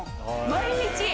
毎日。